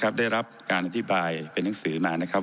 ได้รับการอธิบายเป็นหนังสือมานะครับ